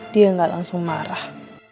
dia gak langsung marah